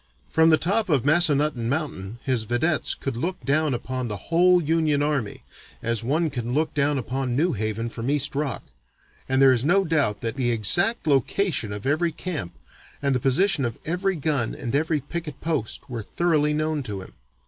From the top of Massanutton Mountain his vedettes could look down upon the whole Union army, as one can look down upon New Haven from East Rock, and there is no doubt that the exact location of every camp, and the position of every gun and every picket post were thoroughly known to him.